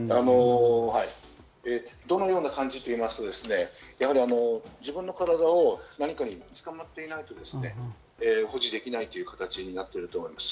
どのような感じかといいますと、自分の体を何かに捕まっていないと保持できないという形になっていると思います。